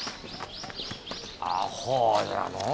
あほうじゃのう。